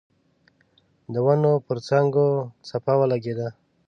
د ونو پر څانګو څپه ولګېده.